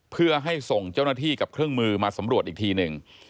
เพื่อให้ส่งเจ้าหน้าที่กับเครื่องมือมาสำรวจอีกทีหนึ่ง